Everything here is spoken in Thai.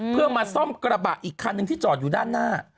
เพื่อมาซ่อมกระบะอีกคันหนึ่งที่จอดอยู่ด้านหน้า